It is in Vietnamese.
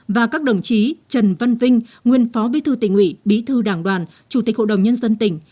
và các đồng chí trần văn vinh nguyên phó bí thư tỉnh ủy bí thư đảng đoàn chủ tịch hội đồng nhân dân tỉnh